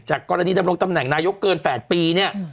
กรณีดำรงตำแหน่งนายกเกิน๘ปีเนี่ย